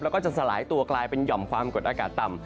แล้วก็จะสลายตัวกลายเป็นหย่อมความกดอากาศต่ำ